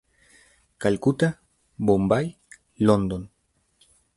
Calcutta, Bombay, London".